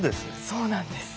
そうなんです。